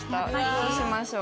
どうしましょう。